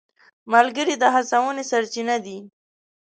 ملګري د هڅونې سرچینه دي.